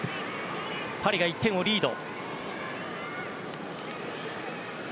パリが１点をリード。